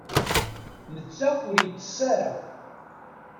Netta ur yettess ara.